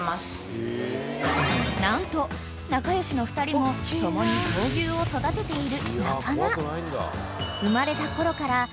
［何と仲良しの２人も共に闘牛を育てている仲間］